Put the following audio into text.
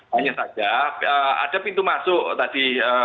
hanya saja ada pintu masuk tadi